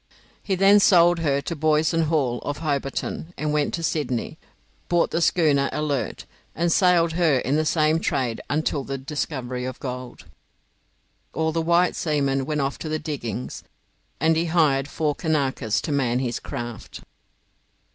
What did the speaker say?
He then sold her to Boys & Hall, of Hobarton, went to Sydney, bought the schooner 'Alert', and sailed her in the same trade until the discovery of gold. All the white seamen went off to the diggings, and he hired four Kanakas to man his craft.